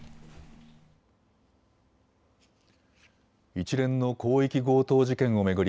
一連の広域強盗事件を巡り